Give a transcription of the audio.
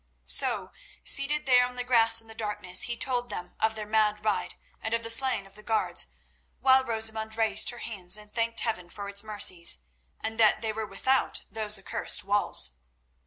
So, seated there on the grass in the darkness, he told them of their mad ride and of the slaying of the guards, while Rosamund raised her hands and thanked Heaven for its mercies, and that they were without those accursed walls.